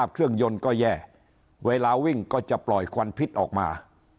เครื่องยนต์ก็แย่เวลาวิ่งก็จะปล่อยควันพิษออกมา